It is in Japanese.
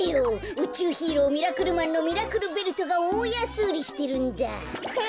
うちゅうヒーローミラクルマンのミラクルベルトがおおやすうりしてるんだ。え！